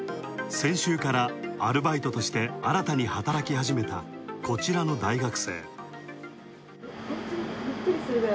先週からアルバイトとして新たに働き始めた、こちらの大学生。